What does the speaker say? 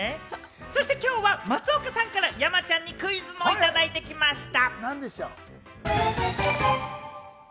そして、きょうは松岡さんから山ちゃんにクイズもいただいてきました！